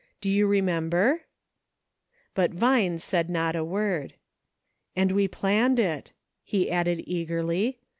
Do you remember ?" But Vine said not a word. " And we planned it," he added eagerly.